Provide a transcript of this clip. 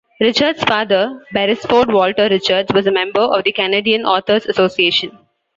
Richards's father, Beresford Walter Richards, was a member of the Canadian Authors' Association.